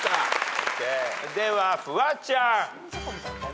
ではフワちゃん。